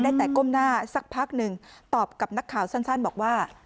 ได้แต่ก้มหน้าสักพักหนึ่งตอบกับนักข่าวสั้นบอกว่า